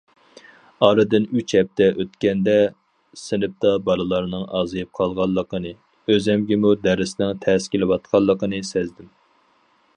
ئارىدىن ئۈچ ھەپتە ئۆتكەندە سىنىپتا بالىلارنىڭ ئازىيىپ قالغانلىقىنى، ئۆزۈمگىمۇ دەرسنىڭ تەس كېلىۋاتقانلىقىنى سەزدىم.